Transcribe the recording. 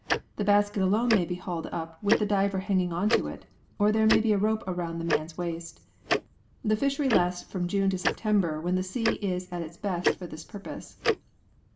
The basket alone may be hauled up with the diver hanging on to it or there may be a rope round the man's waist. The fishery lasts from June to September when the sea is at its best for this purpose.